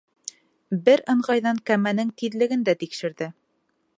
Бер ыңғайҙан кәмәнең тиҙлеген дә тикшерҙе.